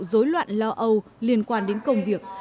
dối loạn lo âu liên quan đến công việc